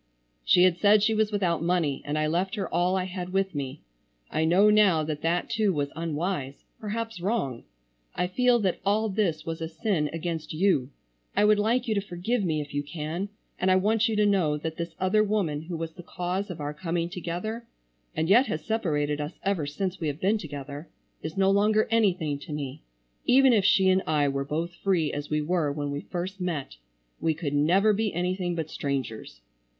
She had said she was without money, and I left her all I had with me. I know now that that too was unwise,—perhaps wrong. I feel that all this was a sin against you. I would like you to forgive me if you can, and I want you to know that this other woman who was the cause of our coming together, and yet has separated us ever since we have been together, is no longer anything to me. Even if she and I were both free as we were when we first met, we could never be anything but strangers.